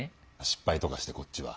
失敗とかしてこっちは。